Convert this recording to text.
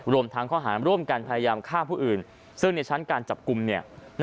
รวมทั้งข้อหารร่วมกันพยายามฆ่าผู้อื่นซึ่งในชั้นการจับกลุ่มเนี่ย